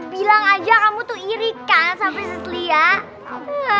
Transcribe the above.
bilang saja kamu itu irit kan sampai setelah lihat